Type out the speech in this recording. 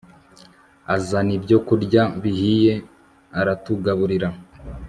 azan ibyo kurya bihiye aratugaburira